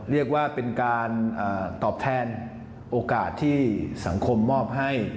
เรียกว่าเป็นการตอบแทนโอกาสที่สังคมมอบให้